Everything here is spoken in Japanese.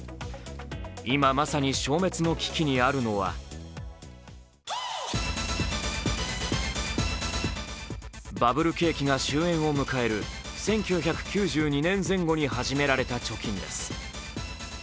今まさに消滅の危機にあるのはバブル景気が終えんを迎える１９９２年前後に始められた貯金です。